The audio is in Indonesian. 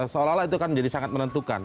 seolah olah itu akan menjadi sangat menentukan